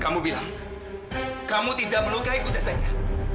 kamu bilang kamu tidak melukai kuda saya